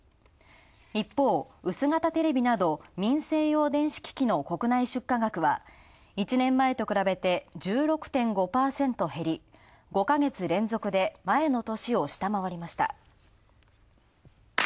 一方、薄型テレビなど民生用電子機器の国内出荷額は、１年前と比べて１６．５％減り、５ヶ月連続で前の年を下回りました。